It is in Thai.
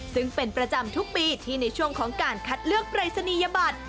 ซึ่งเป็นประจำทุกปีที่ในช่วงของการคัดเลือกปรายศนียบัตร